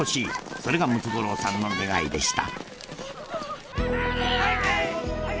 それがムツゴロウさんの願いでした。